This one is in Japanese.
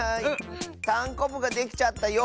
たんこぶができちゃったよ。